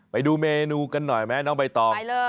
ไปดูเมนูกันหน่อยไหมน้องใบตอง